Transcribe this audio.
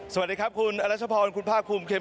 สวัสดีครับคุณอัลชพรคุณภาคคุม